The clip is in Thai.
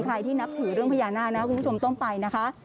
ที่นับถือเรื่องพญานาคนะคุณผู้ชมต้องไปนะคะ